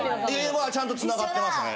ちゃんと繋がってますね。